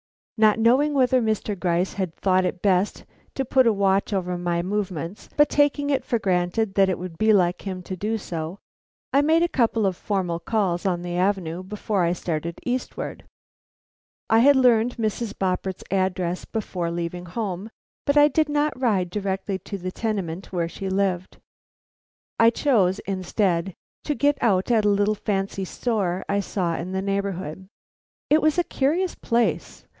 Not knowing whether Mr. Gryce had thought it best to put a watch over my movements, but taking it for granted that it would be like him to do so, I made a couple of formal calls on the avenue before I started eastward. I had learned Mrs. Boppert's address before leaving home, but I did not ride directly to the tenement where she lived. I chose, instead, to get out at a little fancy store I saw in the neighborhood. It was a curious place.